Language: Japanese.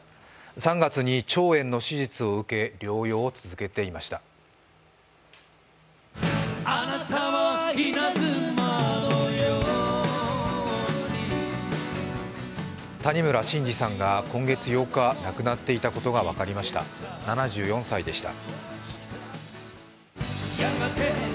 ３月に腸炎の手術を受け、療養を続けていました谷村新司さんが今月８日、亡くなっていたことが分かりました、７４歳でした。